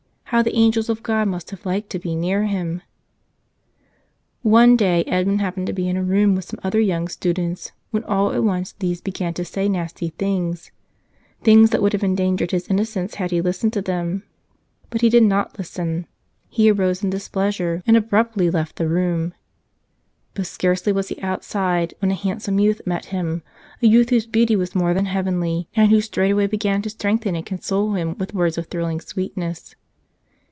how the angels of God must have liked to be near him ! One day Edmund happened to be in a room with some other young students, when all at once these began to say nasty things, things that would have endangered his innocence had he listened to them. But he did not listen. He arose in displeasure and ab T U a 6 75 'l "Tell Us Another!" S ruptly left the room. But scarcely was he outside when a handsome youth met him, a youth whose beauty was more than heavenly, and who straightway began to strengthen and console him with words of thrilling sweetness.